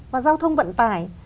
và giao thông vận tải